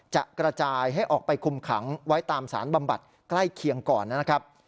จะกระจายให้ออกไปคุมขังไว้ตามสารบำบัดใกล้เคียงก่อนนะครับ